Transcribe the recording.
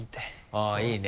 あぁいいね。